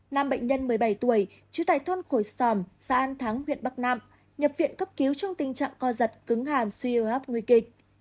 nam bệnh nhân một mươi bảy tuổi trú tại thôn khổi sòm xã an thắng huyện bắc nam nhập viện cấp cứu trong tình trạng co giật cứng hàm suy hô hấp nguy kịch